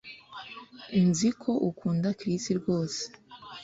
Nzi ko ukunda Chris rwose